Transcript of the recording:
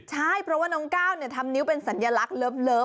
ใช่เพราะว่าน้องก้าวทำนิ้วเป็นสัญลักษณ์เลิฟ